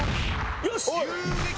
よし！